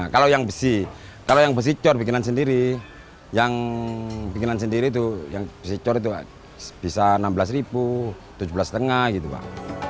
kalau yang besi kalau yang besi cor bikinan sendiri yang bikinan sendiri itu yang besi cor itu bisa enam belas ribu tujuh belas lima gitu pak